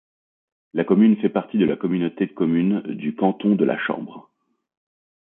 La commune fait partie de la communauté de communes du canton de La Chambre.